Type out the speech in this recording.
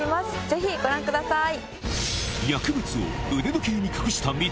ぜひご覧ください！